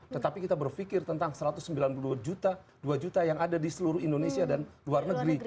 tetapi kita berpikir tentang satu ratus sembilan puluh dua juta dua juta yang ada di seluruh indonesia dan luar negeri